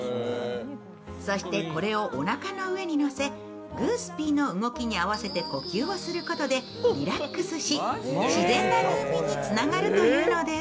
そしてこれをおなかの上に乗せ、グースピーの動きに合わせて呼吸をすることでリラックスし、自然な入眠につながるというのです。